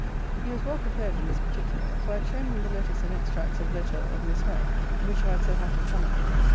He was well prepared in this particular; for I had shown him the letters and extracts of letter of Miss Howe, which I had so happily come at.